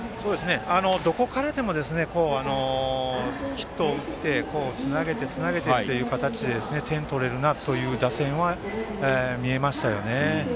どこからでもヒットを打ってつなげていけるという形で点を取れるなという打線は見えましたよね。